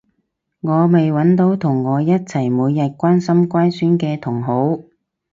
我未搵到同我一齊每日關心乖孫嘅同好